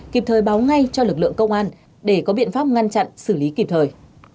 kịp thời báo ngay cho lực lượng công an để có biện pháp ngăn chặn xử lý kịp thời